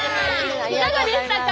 いかがでしたか？